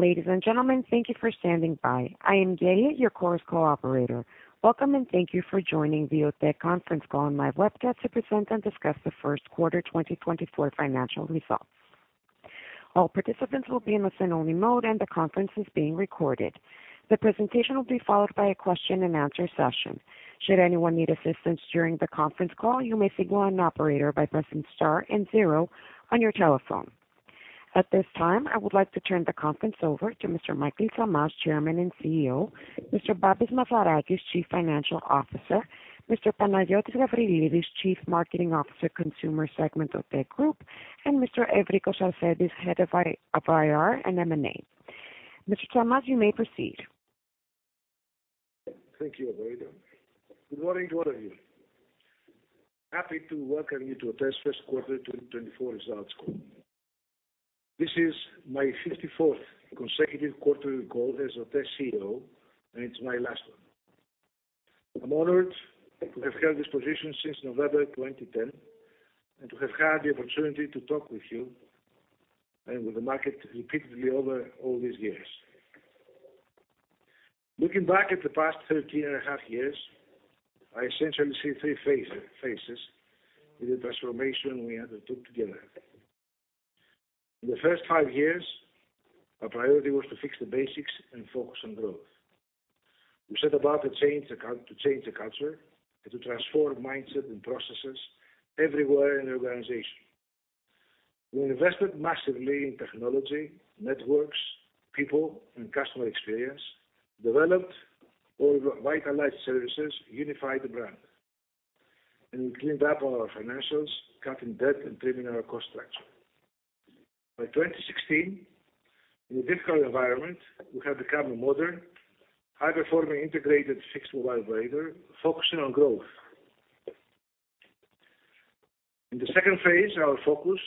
Ladies and gentlemen, thank you for standing by. I am Gail, your Chorus Call operator. Welcome, and thank you for joining the OTE conference call and live webcast to present and discuss the first quarter 2024 financial results. All participants will be in listen-only mode, and the conference is being recorded. The presentation will be followed by a question-and-answer session. Should anyone need assistance during the conference call, you may signal an operator by pressing star and zero on your telephone. At this time, I would like to turn the conference over to Mr. Michael Tsamaz, Chairman and CEO, Mr. Babis Mazarakis, Chief Financial Officer, Mr. Panayiotis Gabrielides, Chief Marketing Officer, Consumer Segment, OTE Group, and Mr. Evrikos Sarsentis, Head of IR and M&A. Mr. Tsamaz, you may proceed. Thank you, operator. Good morning to all of you. Happy to welcome you to OTE's first quarter 2024 results call. This is my 54th consecutive quarterly call as OTE CEO, and it's my last one. I'm honored to have held this position since November 2010 and to have had the opportunity to talk with you and with the market repeatedly over all these years. Looking back at the past 13 and a half years, I essentially see three phases in the transformation we undertook together. In the first five years, our priority was to fix the basics and focus on growth. We set about to change the culture and to transform mindset and processes everywhere in the organization. We invested massively in technology, networks, people, and customer experience, developed or revitalized services, unified the brand, and we cleaned up all our financials, cutting debt and trimming our cost structure. By 2016, in a difficult environment, we had become a modern, high-performing, integrated fixed mobile operator focusing on growth. In the phase II, our focus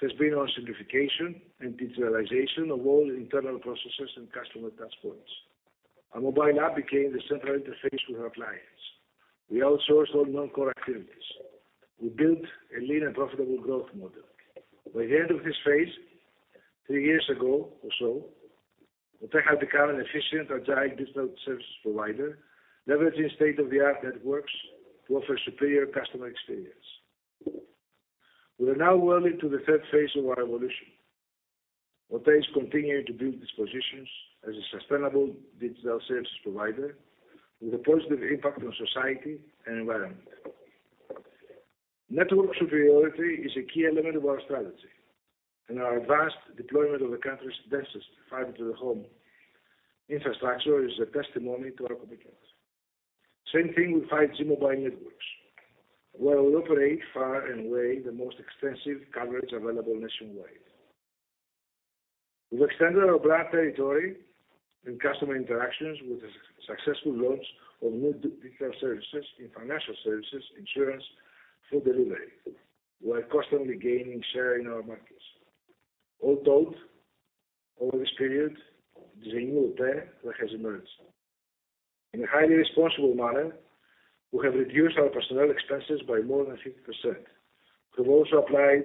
has been on simplification and digitalization of all internal processes and customer touchpoints. Our mobile app became the central interface with our clients. We outsourced all non-core activities. We built a lean and profitable growth model. By the end of this phase, three years ago or so, OTE had become an efficient, agile digital services provider, leveraging state-of-the-art networks to offer superior customer experience. We are now well into the phase III of our evolution. OTE is continuing to build its positions as a sustainable digital services provider with a positive impact on society and environment. Network superiority is a key element of our strategy, and our advanced deployment of the country's densest fiber to the home infrastructure is a testimony to our commitment. Same thing with 5G mobile networks, where we operate far and away the most extensive coverage available nationwide. We've extended our brand territory and customer interactions with the successful launch of new digital services in financial services, insurance, food delivery. We are constantly gaining share in our markets. All told, over this period, it is a new OTE that has emerged. In a highly responsible manner, we have reduced our personnel expenses by more than 50%. We've also applied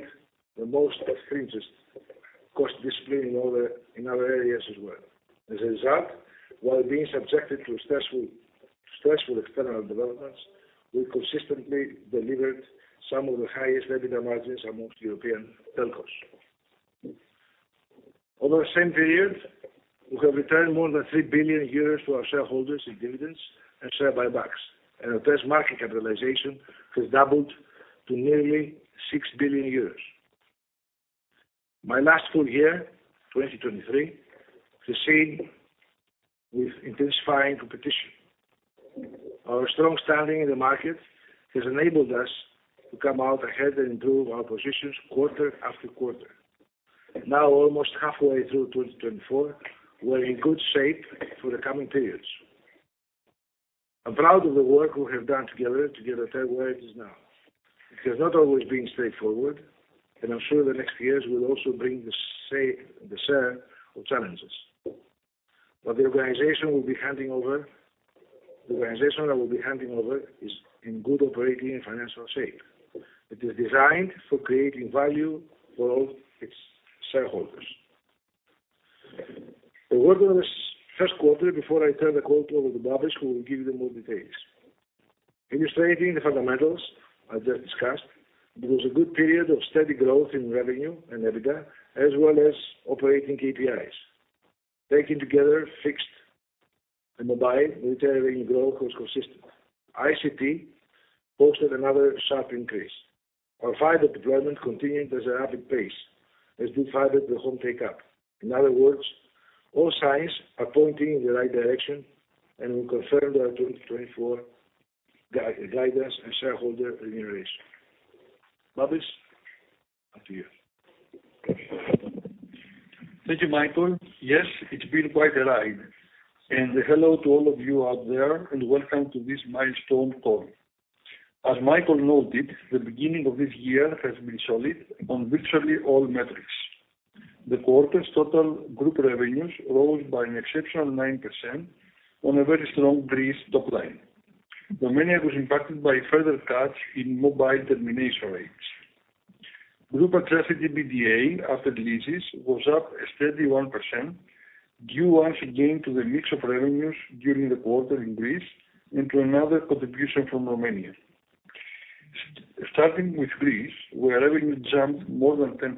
the most stringent cost discipline in other areas as well. As a result, while being subjected to stressful external developments, we consistently delivered some of the highest EBITDA margins among European telcos. Over the same period, we have returned more than 3 billion euros to our shareholders in dividends and share buybacks, and OTE's market capitalization has doubled to nearly 6 billion euros. My last full year, 2023, proceeded with intensifying competition. Our strong standing in the market has enabled us to come out ahead and improve our positions quarter after quarter. Now, almost halfway through 2024, we're in good shape for the coming periods. I'm proud of the work we have done together to get OTE where it is now. It has not always been straightforward, and I'm sure the next years will also bring the share of challenges. But the organization will be handing over. The organization I will be handing over is in good operating and financial shape. It is designed for creating value for all its shareholders. A word on the first quarter before I turn the call over to Babis, who will give you more details. Illustrating the fundamentals I just discussed, it was a good period of steady growth in revenue and EBITDA, as well as operating KPIs. Taken together, fixed and mobile retail revenue growth was consistent. ICT posted another sharp increase. Our fiber deployment continued at a rapid pace, as did fiber to the home take-up. In other words, all signs are pointing in the right direction, and we confirm our 2024 guidance and shareholder remuneration. Babis, up to you. Thank you, Michael. Yes, it's been quite a ride, and hello to all of you out there, and welcome to this milestone call. As Michael noted, the beginning of this year has been solid on virtually all metrics. The quarter's total group revenues rose by an exceptional 9% on a very strong Greece top line. Romania was impacted by further cuts in Mobile Termination Rates. Group Adjusted EBITDA after leases was up a steady 1%, due once again to the mix of revenues during the quarter in Greece and to another contribution from Romania. Starting with Greece, where revenue jumped more than 10%.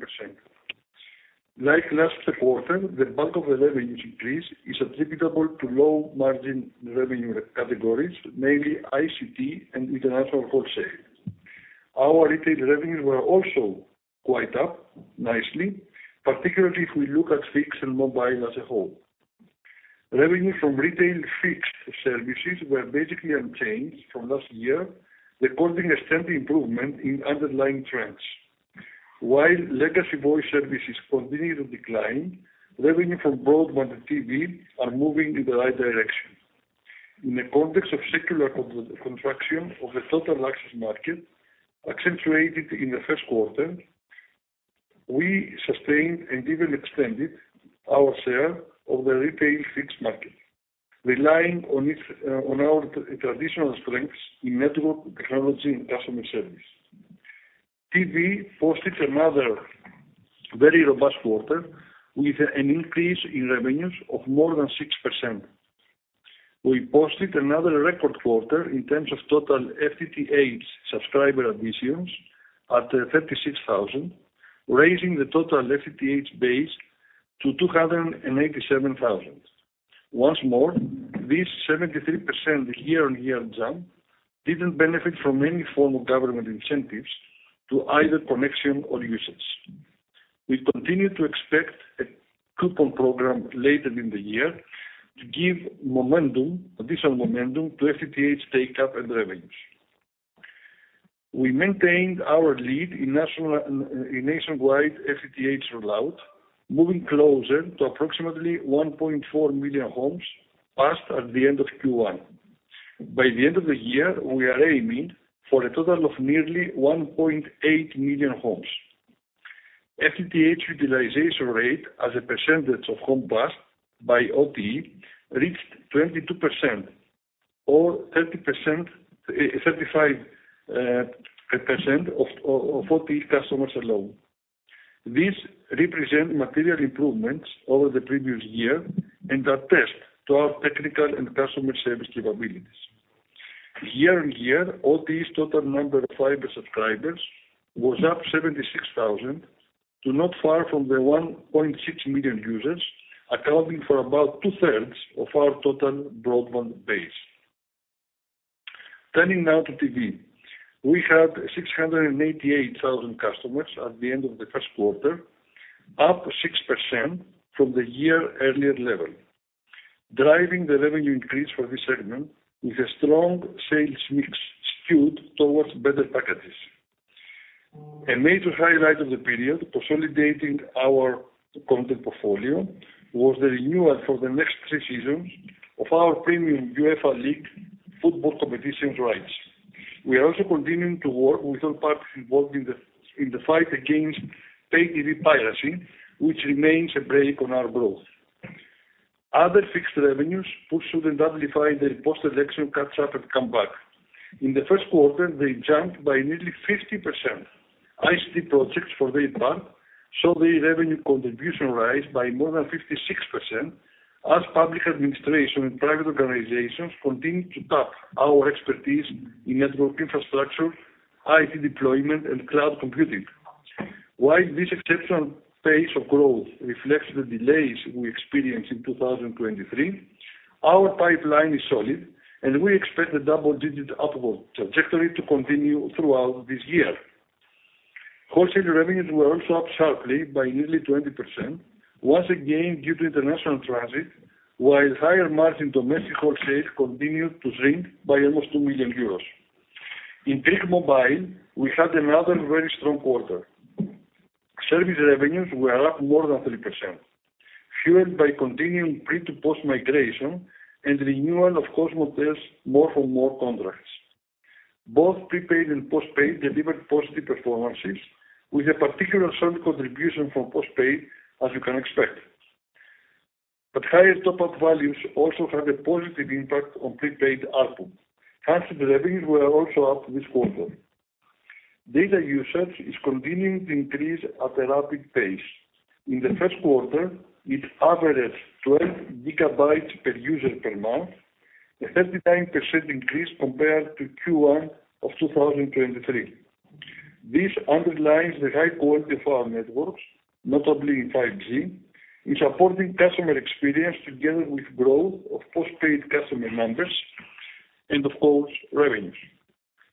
Like last quarter, the bulk of the revenue increase is attributable to low margin revenue categories, mainly ICT and international wholesale. Our retail revenues were also quite up nicely, particularly if we look at fixed and mobile as a whole. Revenue from retail fixed services were basically unchanged from last year, recording a steady improvement in underlying trends. While legacy voice services continued to decline, revenue from broadband and TV are moving in the right direction. In the context of secular contraction of the total access market, accentuated in the first quarter, we sustained and even extended our share of the retail fixed market, relying on its, on our traditional strengths in network, technology and customer service. TV posted another very robust quarter, with an increase in revenues of more than 6%. We posted another record quarter in terms of total FTTH subscriber additions at 36,000, raising the total FTTH base to 287,000. Once more, this 73% year-on-year jump didn't benefit from any form of government incentives to either connection or usage. We continue to expect a coupon program later in the year to give momentum, additional momentum, to FTTH take-up and revenues. We maintained our lead in national, in nationwide FTTH rollout, moving closer to approximately 1.4 million homes passed at the end of Q1. By the end of the year, we are aiming for a total of nearly 1.8 million homes. FTTH utilization rate as a percentage of home passed by OTE reached 22% or 30%, 35% of OTE customers alone. This represent material improvements over the previous year and attest to our technical and customer service capabilities. Year-on-year, OTE's total number of fiber subscribers was up 76,000 to not far from the 1.6 million users, accounting for about two-thirds of our total broadband base. Turning now to TV. We had 688,000 customers at the end of the first quarter, up 6% from the year-earlier level, driving the revenue increase for this segment with a strong sales mix skewed towards better packages. A major highlight of the period, consolidating our content portfolio, was the renewal for the next three seasons of our premium UEFA League football competitions rights. We are also continuing to work with all parties involved in the fight against pay TV piracy, which remains a brake on our growth. Other fixed revenues pursued and amplified the post-election catch up and come back. In the first quarter, they jumped by nearly 50%. ICT projects for their part saw their revenue contribution rise by more than 56%, as public administration and private organizations continued to tap our expertise in network infrastructure, IT deployment, and cloud computing. While this exceptional pace of growth reflects the delays we experienced in 2023, our pipeline is solid, and we expect the double-digit upward trajectory to continue throughout this year. Wholesale revenues were also up sharply by nearly 20%, once again due to international transit, while higher margin domestic wholesale continued to shrink by almost 2 million euros. In Greek mobile, we had another very strong quarter. Service revenues were up more than 3%, fueled by continuing pre to post migration and renewal of COSMOTE's more for more contracts. Both prepaid and postpaid delivered positive performances, with a particularly strong contribution from postpaid, as you can expect. But higher top-up values also had a positive impact on prepaid ARPU. Handset revenues were also up this quarter. Data usage is continuing to increase at a rapid pace. In the first quarter, it averaged 12 GB per user per month, a 39% increase compared to Q1 of 2023. This underlines the high quality of our networks, notably in 5G, in supporting customer experience together with growth of postpaid customer numbers and of course, revenues.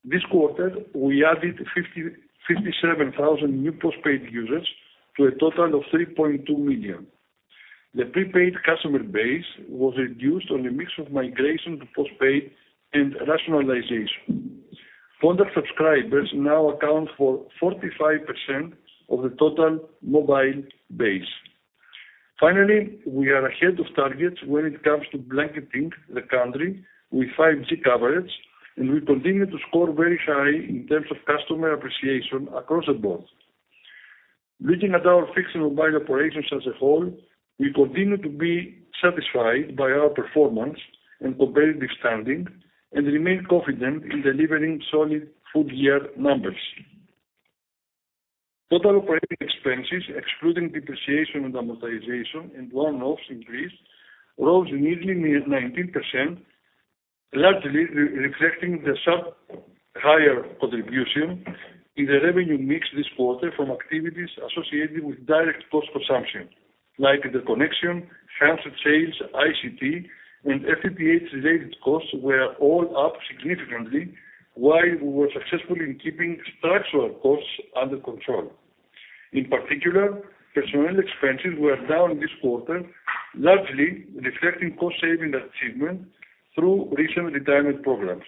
This quarter, we added 57,000 new postpaid users to a total of 3.2 million. The prepaid customer base was reduced on a mix of migration to postpaid and rationalization. Contract subscribers now account for 45% of the total mobile base. Finally, we are ahead of target when it comes to blanketing the country with 5G coverage, and we continue to score very high in terms of customer appreciation across the board... Looking at our fixed and mobile operations as a whole, we continue to be satisfied by our performance and competitive standing, and remain confident in delivering solid full year numbers. Total operating expenses, excluding depreciation and amortization and one-offs increase, rose nearly 19%, largely reflecting the substantially higher contribution in the revenue mix this quarter from activities associated with direct postpaid consumption, like interconnection, transit sales, ICT, and FTTH related costs were all up significantly, while we were successful in keeping structural costs under control. In particular, personnel expenses were down this quarter, largely reflecting cost saving achievement through recent retirement programs.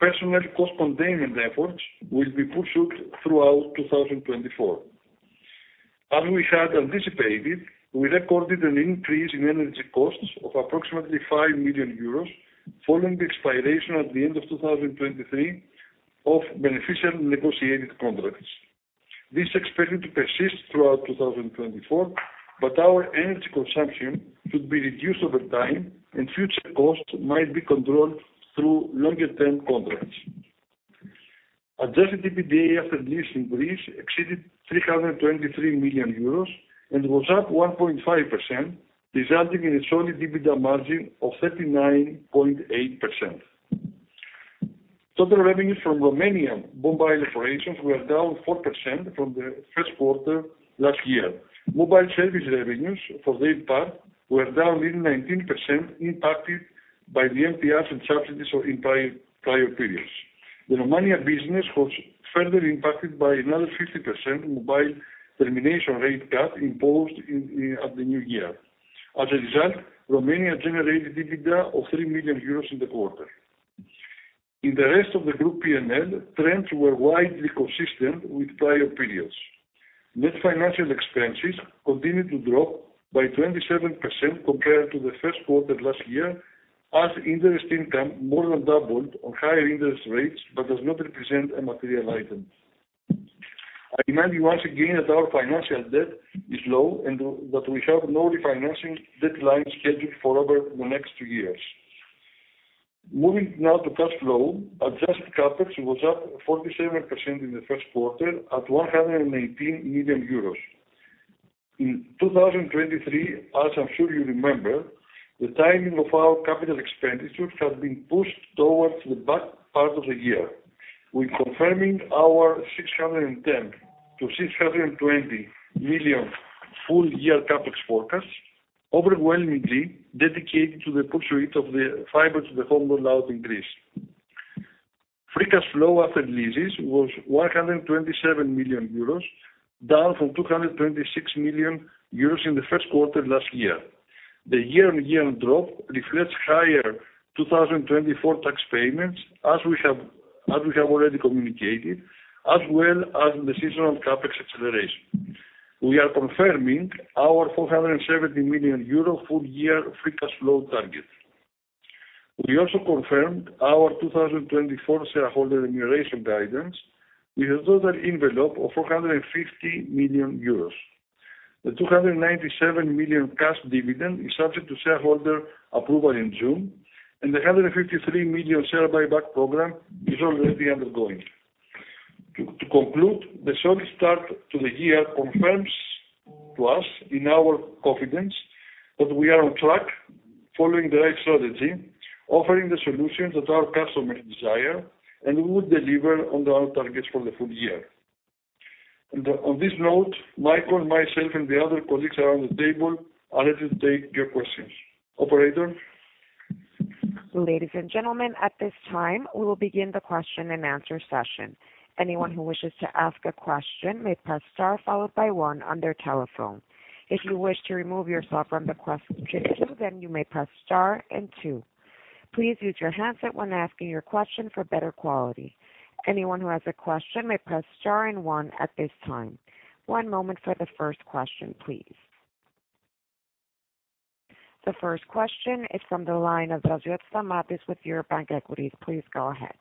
Personnel cost containment efforts will be pursued throughout 2024.As we had anticipated, we recorded an increase in energy costs of approximately 5 million euros, following the expiration at the end of 2023 of beneficial negotiated contracts. This is expected to persist throughout 2024, but our energy consumption should be reduced over time, and future costs might be controlled through longer term contracts. Adjusted EBITDA after leases increase exceeded 323 million euros and was up 1.5%, resulting in a solid EBITDA margin of 39.8%. Total revenues from Romanian mobile operations were down 4% from the first quarter last year. Mobile service revenues, for their part, were down 19%, impacted by the MTRs and subsidies in prior periods. The Romania business was further impacted by another 50% mobile termination rate cut imposed at the new year. As a result, Romania generated EBITDA of 3 million euros in the quarter. In the rest of the group P&L, trends were widely consistent with prior periods. Net financial expenses continued to drop by 27% compared to the first quarter last year, as interest income more than doubled on higher interest rates, but does not represent a material item. I remind you once again that our financial debt is low, and that we have no refinancing deadlines scheduled for over the next two years. Moving now to cash flow, adjusted CapEx was up 47% in the first quarter at 118 million euros. In 2023, as I'm sure you remember, the timing of our capital expenditures had been pushed towards the back part of the year. We're confirming our 610 million-620 million full year CapEx forecast, overwhelmingly dedicated to the pursuit of the fiber to the home rollout in Greece. Free cash flow after leases was 127 million euros, down from 226 million euros in the first quarter last year. The year-on-year drop reflects higher 2024 tax payments, as we have already communicated, as well as the seasonal CapEx acceleration. We are confirming our 470 million euro full year free cash flow target. We also confirmed our 2024 shareholder remuneration guidance with a total envelope of 450 million euros. The 297 million cash dividend is subject to shareholder approval in June, and the 153 million share buyback program is already undergoing. To conclude, the solid start to the year confirms to us in our confidence that we are on track, following the right strategy, offering the solutions that our customers desire, and we will deliver on our targets for the full year. On this note, Michael, myself, and the other colleagues around the table are ready to take your questions. Operator? Ladies and gentlemen, at this time, we will begin the question and answer session. Anyone who wishes to ask a question may press star followed by one on their telephone. If you wish to remove yourself from the question queue, then you may press star and two. Please use your handset when asking your question for better quality. Anyone who has a question may press star and one at this time. One moment for the first question, please. The first question is from the line of Stamatis Draziotis with Eurobank Equities. Please go ahead.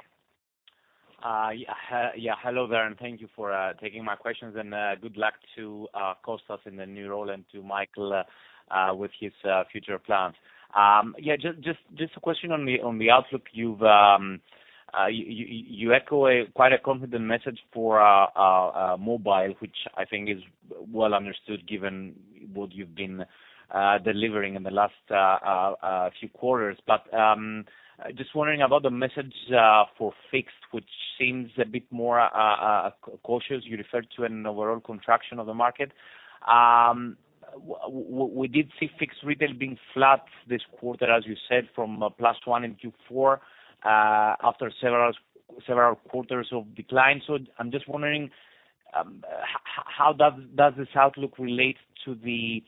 Yeah, hello there, and thank you for taking my questions, and good luck to Kostas in the new role and to Michael with his future plans. Yeah, just a question on the outlook. You echo quite a confident message for mobile, which I think is well understood, given what you've been delivering in the last few quarters. But just wondering about the message for fixed, which seems a bit more cautious. You referred to an overall contraction of the market. We did see fixed retail being flat this quarter, as you said, from +1 in Q4 after several quarters of decline. I'm just wondering, how does this outlook relate to the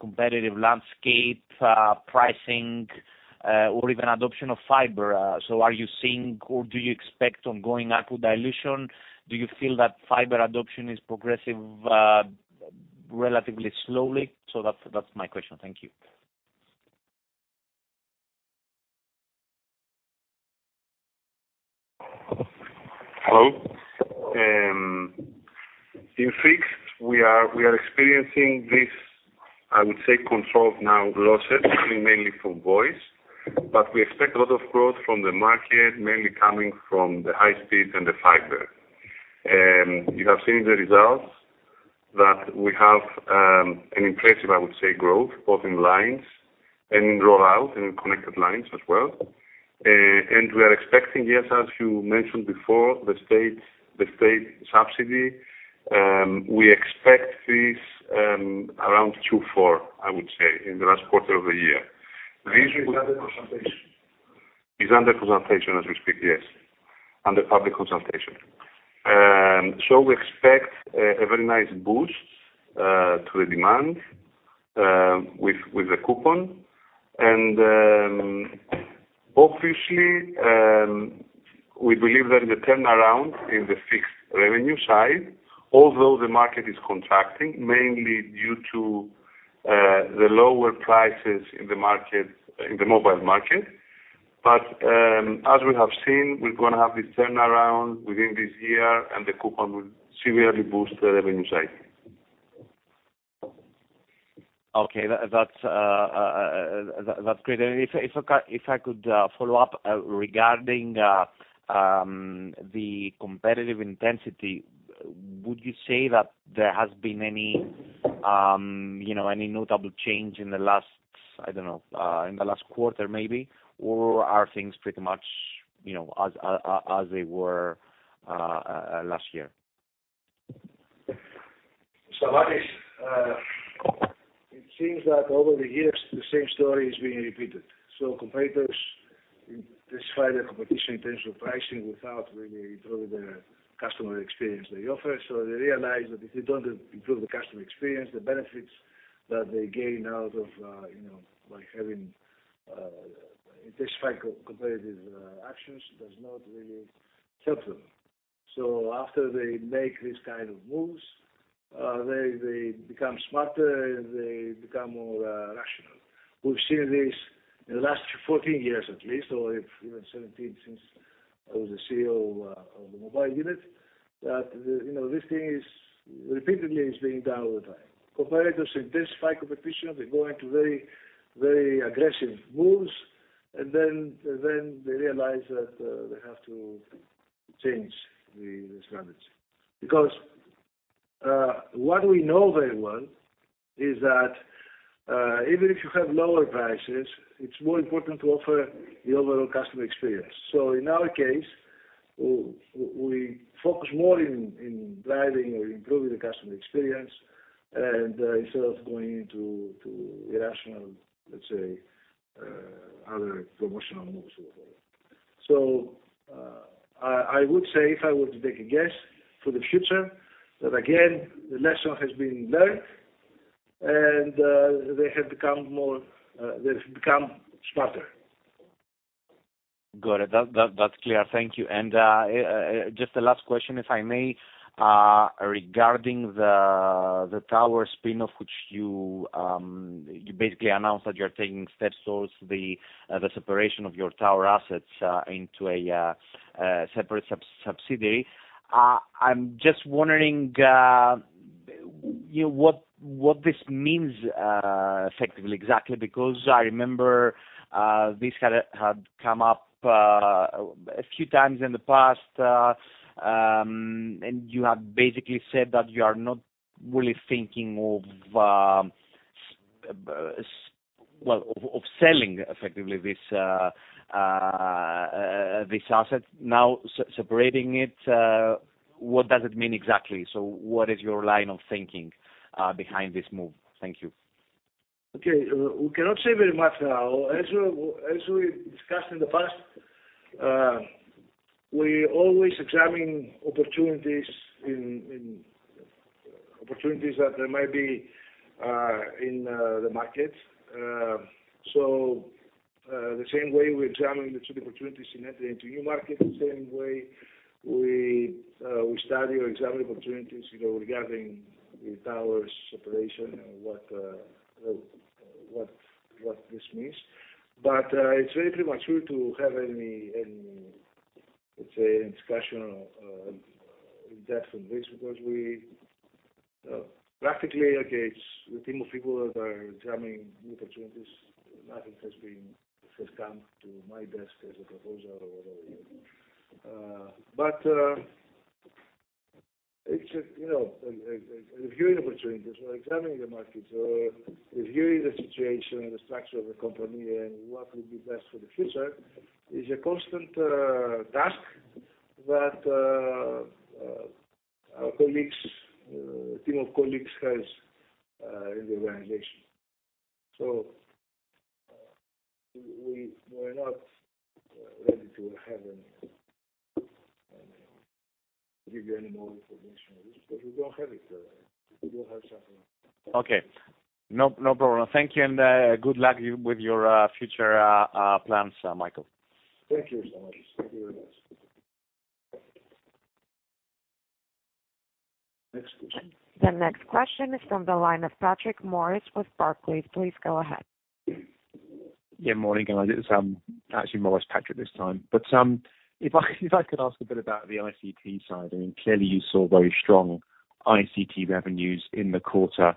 competitive landscape, pricing, or even adoption of fiber? Are you seeing or do you expect ongoing ARPU dilution? Do you feel that fiber adoption is progressing relatively slowly? That's my question. Thank you. Hello. In fixed, we are experiencing this, I would say, controlled now losses, mainly from voice, but we expect a lot of growth from the market, mainly coming from the high speed and the fiber. And you have seen the results that we have, an impressive, I would say, growth, both in lines and in rollout, and in connected lines as well. And we are expecting, yes, as you mentioned before, the state subsidy, we expect this around Q4, I would say, in the last quarter of the year. This- Is under consultation? is under consultation as we speak, yes, under public consultation. So we expect a very nice boost to the demand with the coupon. And obviously, we believe that the turnaround in the fixed revenue side, although the market is contracting, mainly due to the lower prices in the market, in the mobile market. But as we have seen, we're gonna have this turnaround within this year, and the coupon will severely boost the revenue side. Okay. That's great. And if I could follow up regarding the competitive intensity, would you say that there has been any, you know, any notable change in the last, I don't know, in the last quarter maybe? Or are things pretty much, you know, as they were last year? So, what is it? It seems that over the years, the same story is being repeated. Competitors intensify the competition in terms of pricing without really improving their customer experience they offer. So they realize that if they don't improve the customer experience, the benefits that they gain out of, you know, by having, intensified competitive, actions does not really help them. So after they make these kind of moves, they become smarter, and they become more, rational. We've seen this in the last 14 years at least, or even 17, since I was the CEO of the mobile unit, that, you know, this thing is repeatedly being done all the time. Competitors intensify competition. They go into very, very aggressive moves, and then they realize that, they have to change the strategies. Because, what we know very well is that, even if you have lower prices, it's more important to offer the overall customer experience. So in our case, we focus more in driving or improving the customer experience and, instead of going into to irrational, let's say, other promotional moves so far. So, I would say, if I were to take a guess for the future, that again, the lesson has been learned and, they have become more, they've become smarter. Got it. That, that, that's clear. Thank you. And, just a last question, if I may, regarding the, the tower spin-off, which you, you basically announced that you're taking steps towards the, the separation of your tower assets, into a, a separate sub-subsidiary. I'm just wondering, you know, what, what this means, effectively, exactly? Because I remember, this had, had come up, a few times in the past, and you have basically said that you are not really thinking of, well, of selling effectively this, this asset. Now, separating it, what does it mean exactly? So what is your line of thinking, behind this move? Thank you. Okay. We cannot say very much now. As we discussed in the past, we always examine opportunities that there might be in the market. So, the same way we're examining the two opportunities in entering into new markets, the same way we study or examine opportunities, you know, regarding the towers separation and what this means. But, it's very premature to have any, let's say, discussion in depth on this, because we practically, okay, it's the team of people that are examining new opportunities. Nothing has come to my desk as a proposal or whatever. But, it's a, you know, reviewing opportunities or examining the markets or reviewing the situation and the structure of the company and what would be best for the future, is a constant task that our colleagues, team of colleagues has in the organization. So we're not ready to have any give you any more information on this, because we don't have it. We don't have something. Okay. No, no problem. Thank you, and good luck with your future plans, Michael. Thank you so much. Thank you very much. The next question is from the line of Maurice Patrick with Barclays. Please go ahead. Yeah, morning, guys. It's actually Maurice Patrick this time. But if I could ask a bit about the ICT side. I mean, clearly you saw very strong ICT revenues in the quarter. It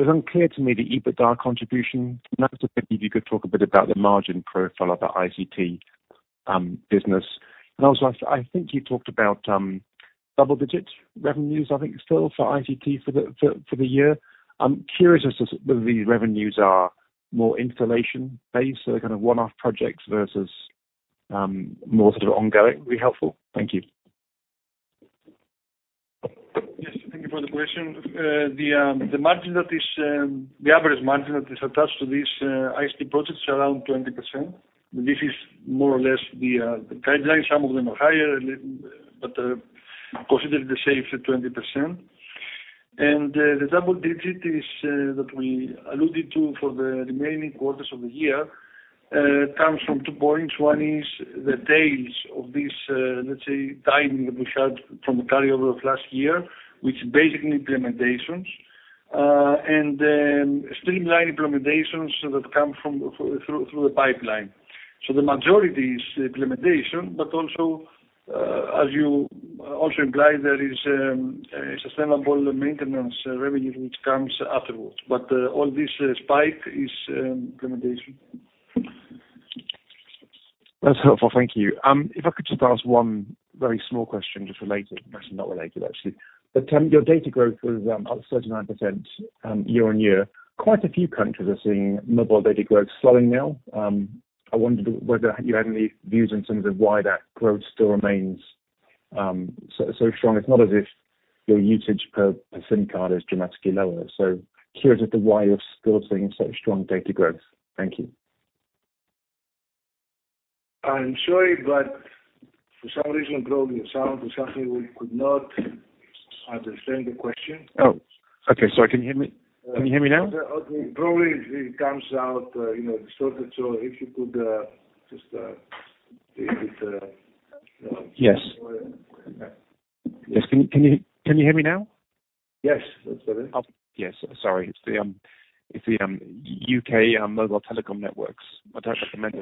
was unclear to me the EBITDA contribution, and I was just thinking if you could talk a bit about the margin profile of the ICT business. And also I think you talked about double-digit revenues, I think still for ICT for the year. I'm curious as to whether these revenues are more installation-based, so kind of one-off projects versus more sort of ongoing. Would be helpful. Thank you. Yes, thank you for the question. The margin that is the average margin that is attached to these ICT projects are around 20%. This is more or less the guideline. Some of them are higher, but consider it the safe at 20%. And the double digits is that we alluded to for the remaining quarters of the year comes from two points. One is the days of this let's say timing that we had from the carryover of last year, which is basically implementations and then streamlined implementations that come from through the pipeline. So the majority is implementation, but also as you also implied, there is a sustainable maintenance revenue which comes afterwards. But all this spike is implementation. That's helpful, thank you. If I could just ask one very small question, just related, actually not related, actually. But your data growth was up 39%, year-on-year. Quite a few countries are seeing mobile data growth slowing now. I wondered whether you had any views in terms of why that growth still remains so, so strong? It's not as if your usage per, per SIM card is dramatically lower. So curious as to why you're still seeing such strong data growth. Thank you. I'm sorry, but for some reason, probably the sound or something, we could not understand the question. Oh, okay. Sorry, can you hear me? Can you hear me now? Okay. Probably it comes out, you know, distorted. So if you could, just, if it. Yes. Yes. Can you hear me now? Yes. I'm sorry. Oh, yes, sorry. It's the UK mobile telecom networks. I don't recommend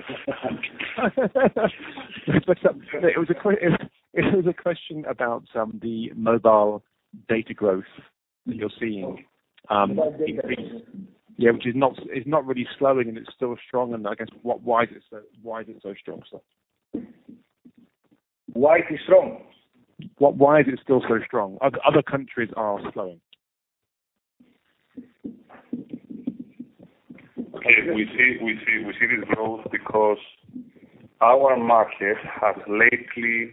it. It was a question about the mobile data growth that you're seeing. Mobile data growth. Yeah, which is not really slowing, and it's still strong, and I guess why is it so strong still? Why is it strong? Why is it still so strong? Other countries are slowing. Okay, we see this growth because our market has lately,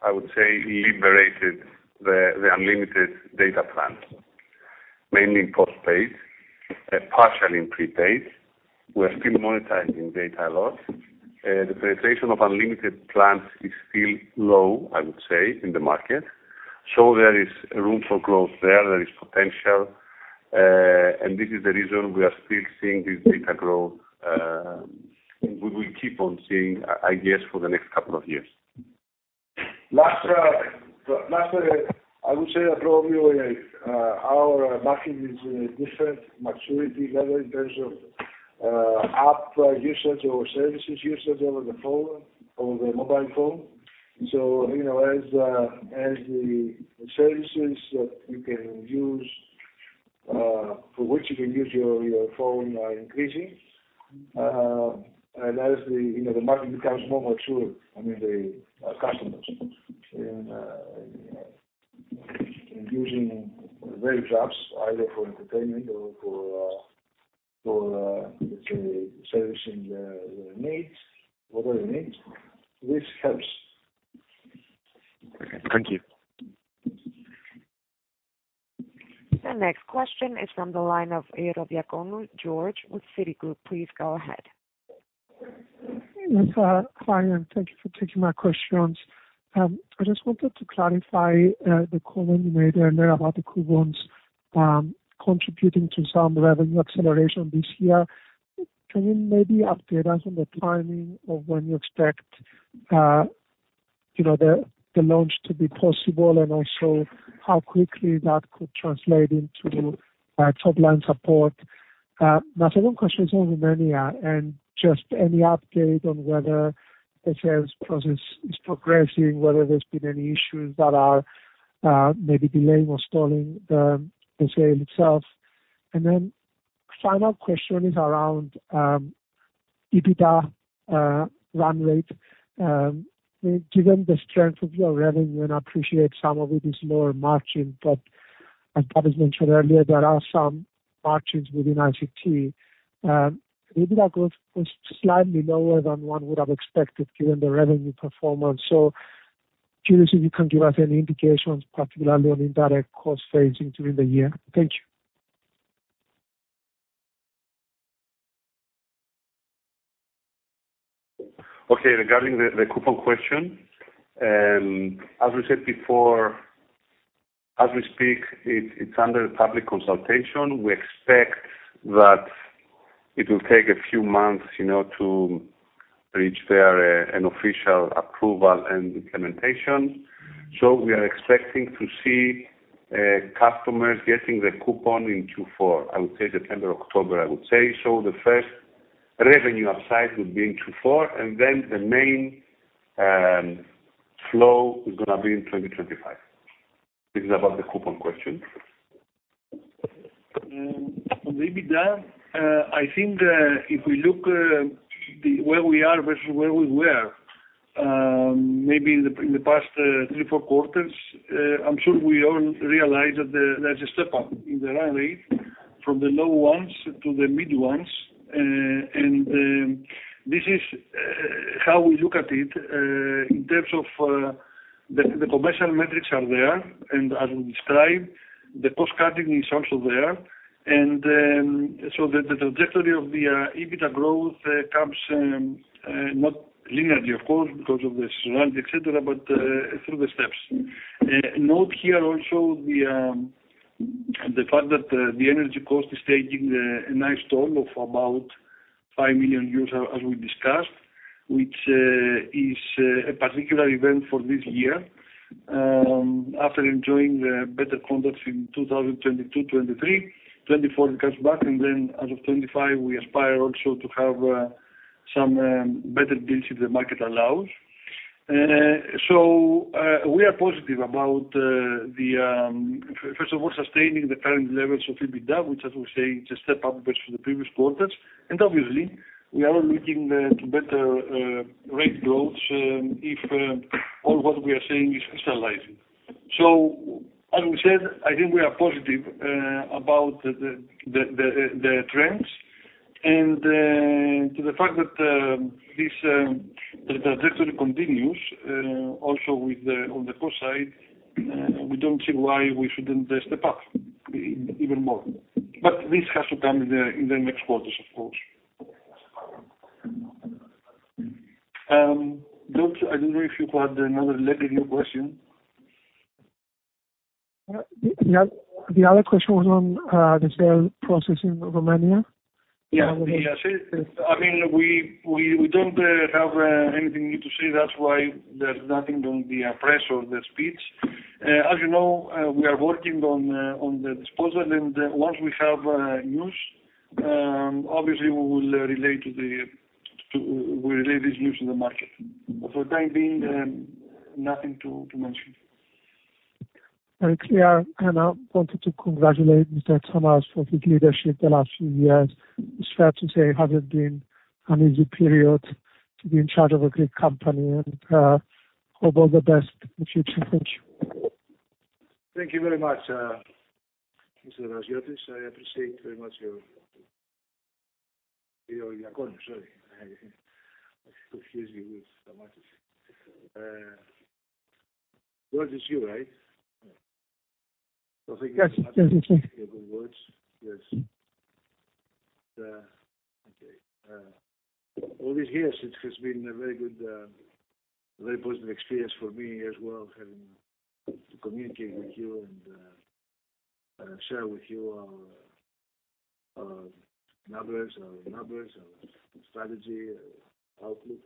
I would say, liberated the unlimited data plans, mainly in postpaid and partially in prepaid. We are still monetizing data a lot. The penetration of unlimited plans is still low, I would say, in the market. So there is room for growth there, there is potential, and this is the reason we are still seeing this data growth. We will keep on seeing, I guess, for the next couple of years. Last, I would say that probably, our market is in a different maturity level in terms of, app usage or services usage over the phone, over the mobile phone. So, you know, as, as the services that you can use, for which you can use your phone are increasing, and as the, you know, the market becomes more mature, I mean, the, customers in, in using various apps, either for entertainment or for, for, let's say, servicing their needs, whatever they need, this helps. Thank you. The next question is from the line of Georgios Ierodiaconou with Citigroup. Please go ahead. Yes, hi, and thank you for taking my questions. I just wanted to clarify the comment you made earlier about the coupons contributing to some revenue acceleration this year. Can you maybe update us on the timing of when you expect you know the launch to be possible, and also how quickly that could translate into top-line support? My second question is on Romania, and just any update on whether the sales process is progressing, whether there's been any issues that are maybe delaying or stalling the sale itself? And then final question is around EBITDA run rate. Given the strength of your revenue, and I appreciate some of it is lower margin, but as Babis mentioned earlier, there are some margins within ICT. EBITDA growth was slightly lower than one would have expected given the revenue performance. So curious if you can give us any indications, particularly on indirect cost savings during the year? Thank you. Okay, regarding the coupon question, as we said before, as we speak, it's under public consultation. We expect that it will take a few months, you know, to reach there, an official approval and implementation. So we are expecting to see, customers getting the coupon in Q4, I would say September, October, I would say. So the first revenue upside will be in Q4, and then the main flow is gonna be in 2025. This is about the coupon question. Maybe that, I think, if we look the where we are versus where we were, maybe in the past 3, 4 quarters, I'm sure we all realize that there's a step up in the run rate from the low ones to the mid ones. This is how we look at it in terms of the commercial metrics are there, and as we described, the cost-cutting is also there. So the trajectory of the EBITDA growth comes not linearly of course, because of the seasonality, et cetera, but through the steps. Note here also the fact that the energy cost is taking a nice toll of about 5 million, as we discussed, which is a particular event for this year. After enjoying better contracts in 2022, 2023, 2024 it comes back, and then as of 2025, we aspire also to have some better deals if the market allows. So we are positive about the first of all, sustaining the current levels of EBITDA, which as we say, is a step up versus the previous quarters. And obviously, we are looking to better rate growth, if all what we are saying is crystallizing. So as we said, I think we are positive about the trends and to the fact that the trajectory continues, also on the cost side, we don't see why we shouldn't then step up even more. But this has to come in the next quarters, of course. Note, I don't know if you had another related new question? The other question was on the sale process in Romania. Yeah. Yeah. See, I mean, we don't have anything new to say, that's why there's nothing on the press or the speech. As you know, we are working on the disposal, and once we have news, obviously we will relate to the, to, we relate this news to the market. For the time being, nothing to mention. Very clear. I wanted to congratulate Mr. Tsamaz for his leadership the last few years. It's fair to say it hasn't been an easy period to be in charge of a great company, and all the best in the future. Thank you. Thank you very much, Mr. Draziotis. I appreciate very much your comments. Sorry, I confuse you with Stamatis. George, it's you, right? Yes. Yes, yes, yes. Your good words. Yes. Okay. All these years, it has been a very good, very positive experience for me as well, having to communicate with you and share with you numbers, numbers, strategy, outlook.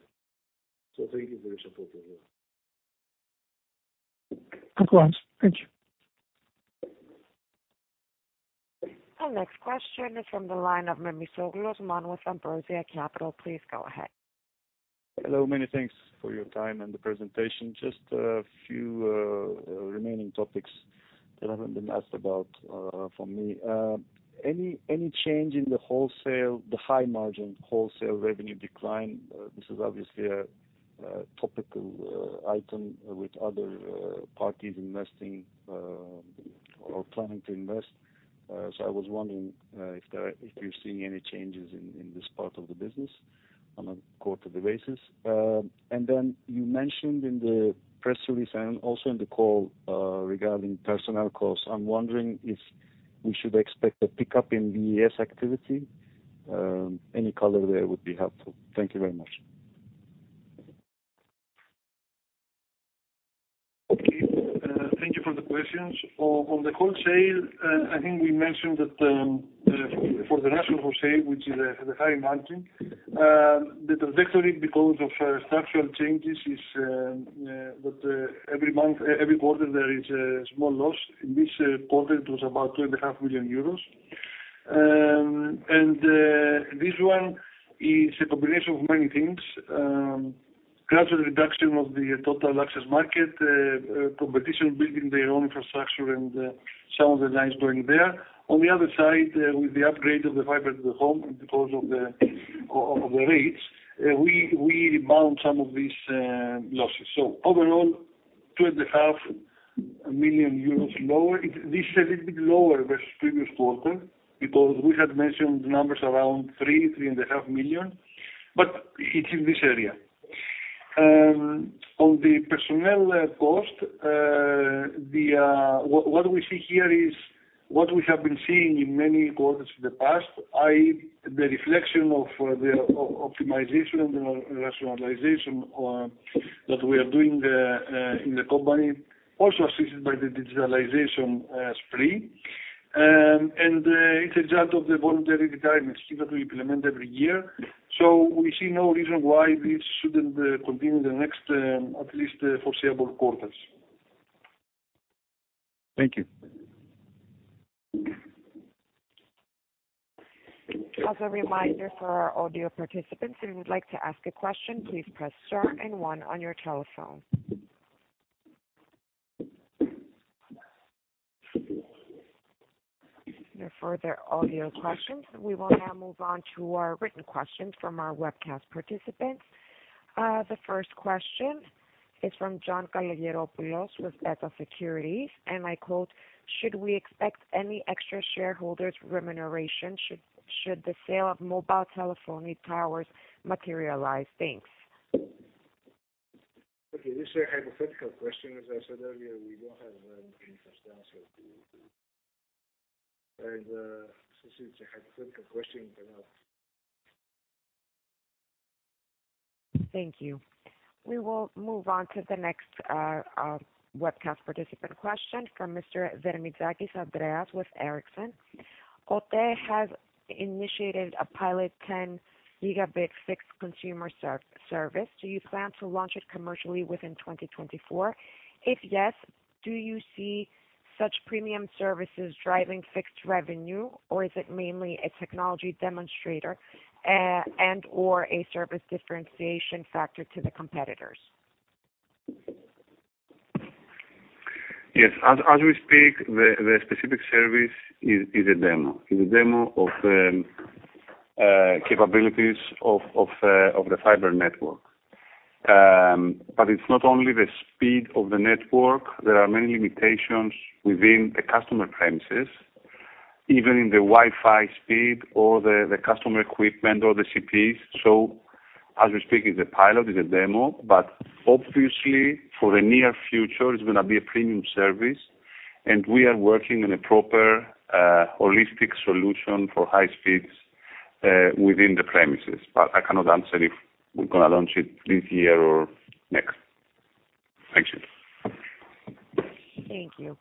So thank you very much for your Of course. Thank you. Our next question is from the line of Osman Memisoglu, Ambrosia Capital. Please go ahead. Hello, many thanks for your time and the presentation. Just a few remaining topics that haven't been asked about from me. Any change in the wholesale, the high margin wholesale revenue decline? This is obviously a topical item with other parties investing or planning to invest. So I was wondering if you're seeing any changes in this part of the business on a quarter basis? And then you mentioned in the press release and also in the call regarding personnel costs, I'm wondering if we should expect a pickup in VES activity. Any color there would be helpful. Thank you very much. Okay. Thank you for the questions. On the wholesale, I think we mentioned that for the national wholesale, which is the high margin, the trajectory because of structural changes is that every quarter there is a small loss. In this quarter, it was about 2.5 million euros. And this one is a combination of many things. Gradual reduction of the total access market, competition, building their own infrastructure and some of the lines going there. On the other side, with the upgrade of the fiber to the home and because of the rates, we rebound some of these losses. So overall, 2.5 million euros lower. This is a little bit lower versus previous quarter, because we had mentioned numbers around 3, 3.5 million, but it's in this area. On the personnel cost, what we see here is what we have been seeing in many quarters in the past, i.e., the reflection of the optimization and rationalization that we are doing in the company, also assisted by the digitalization spree. It's a result of the voluntary retirement scheme that we implement every year. So we see no reason why this shouldn't continue in the next, at least, foreseeable quarters. Thank you. As a reminder for our audio participants, if you would like to ask a question, please press star and one on your telephone. No further audio questions. We will now move on to our written questions from our webcast participants. The first question is from John Kalogeropoulos with Beta Securities, and I quote: "Should we expect any extra shareholders remuneration, should the sale of mobile telephony towers materialize? Thanks. Okay, this is a hypothetical question. As I said earlier, we don't have anything to answer to. And, since it's a hypothetical question, then no. Thank you. We will move on to the next webcast participant question from Mr. Andreas Veremitsakis with Ericsson. OTE has initiated a pilot 10 gigabit fixed consumer service. Do you plan to launch it commercially within 2024? If yes, do you see such premium services driving fixed revenue, or is it mainly a technology demonstrator and/or a service differentiation factor to the competitors? Yes, as we speak, the specific service is a demo of capabilities of the fiber network. But it's not only the speed of the network, there are many limitations within the customer premises, even in the Wi-Fi speed or the customer equipment or the CPEs. So as we speak, it's a pilot, it's a demo, but obviously for the near future it's gonna be a premium service, and we are working on a proper holistic solution for high speeds within the premises. But I cannot answer if we're gonna launch it this year or next. Thank you. Thank you.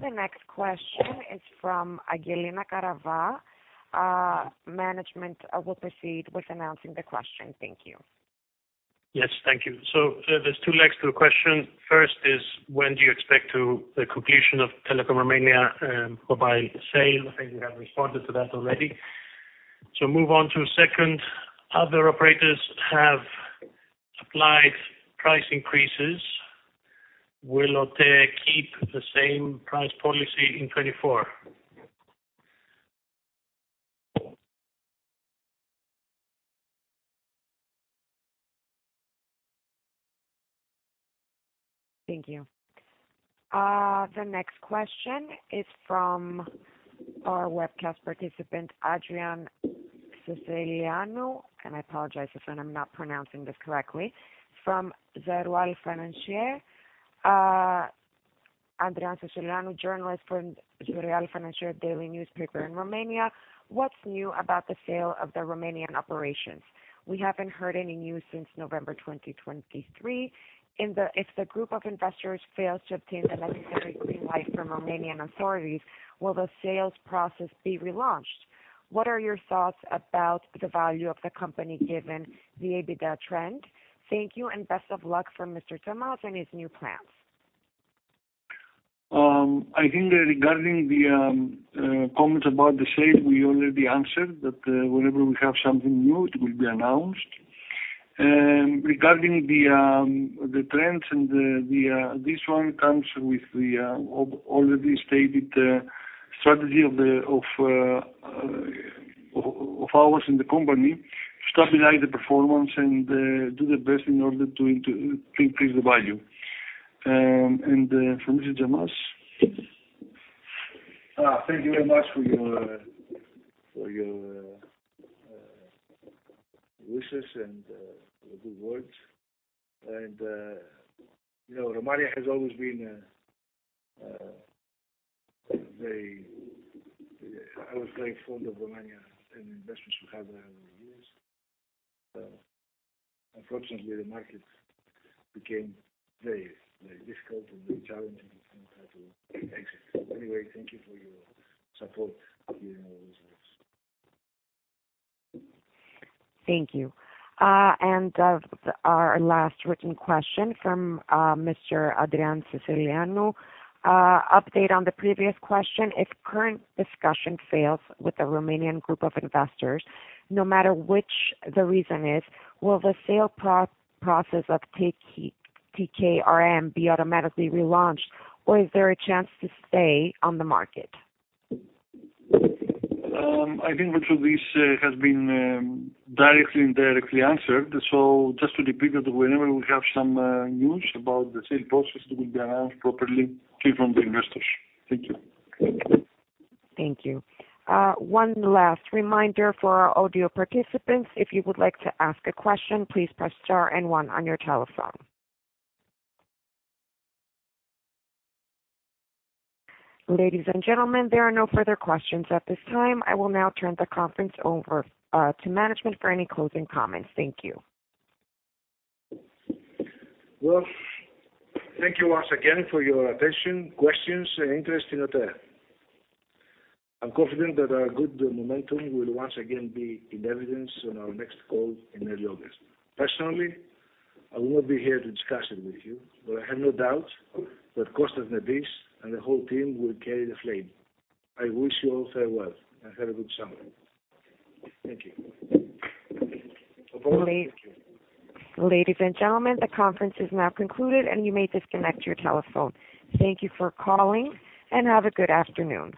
The next question is from Angelina Carava. Management will proceed with announcing the question. Thank you. Yes, thank you. So, there's two legs to the question. First is, when do you expect the completion of Telekom Romania Mobile sale? I think you have responded to that already. So move on to second. Other operators have applied price increases. Will OTE keep the same price policy in 2024? Thank you. The next question is from our webcast participant, Adrian Seceleanu, and I apologize if I'm not pronouncing this correctly, from Ziarul Financiar. Adrian Seceleanu, journalist from Ziarul Financiar daily newspaper in Romania. What's new about the sale of the Romanian operations? We haven't heard any news since November 2023. If the group of investors fails to obtain the necessary green light from Romanian authorities, will the sales process be relaunched? What are your thoughts about the value of the company, given the EBITDA trend? Thank you and best of luck from Mr. Tsamaz and his new plans. I think regarding the comments about the sale, we already answered that whenever we have something new, it will be announced. Regarding the trends and the, this one comes with the already stated strategy of ours in the company, stabilize the performance and do the best in order to increase the value. And for Mr. Tsamaz? Thank you very much for your wishes and good words. You know, Romania has always been very, I was very fond of Romania and the investments we had there over the years. Unfortunately, the market became very, very difficult and very challenging, and we had to exit. Anyway, thank you for your support during all those years. Thank you. And our last written question from Mr. Adrian Seceleanu. Update on the previous question: If current discussion fails with the Romanian group of investors, no matter which the reason is, will the sale process of TKRM be automatically relaunched, or is there a chance to stay on the market? I think much of this has been directly and indirectly answered. So just to repeat that whenever we have some news about the sale process, it will be announced properly to from the investors. Thank you. Thank you. One last reminder for our audio participants, if you would like to ask a question, please press star and one on your telephone. Ladies and gentlemen, there are no further questions at this time. I will now turn the conference over to management for any closing comments. Thank you. Well, thank you once again for your attention, questions, and interest in OTE. I'm confident that our good momentum will once again be in evidence on our next call in early August. Personally, I will not be here to discuss it with you, but I have no doubts that Kostas Nebis and the whole team will carry the flame. I wish you all farewell and have a good summer. Thank you. Over. Ladies and gentlemen, the conference is now concluded, and you may disconnect your telephone. Thank you for calling, and have a good afternoon.